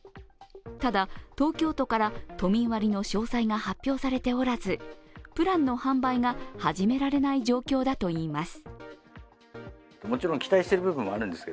ただ、東京都から都民割の詳細が発表されておらず、プランの販売が始められない状況だといいます。